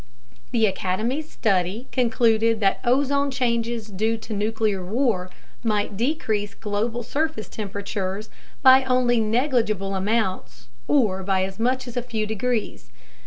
The Academy's study concluded that ozone changes due to nuclear war might decrease global surface temperatures by only negligible amounts or by as much as a few degrees.